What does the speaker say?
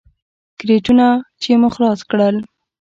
کرېټونه چې مو خلاص کړل.